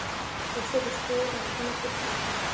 دښته د شپو رازونه پټ ساتي.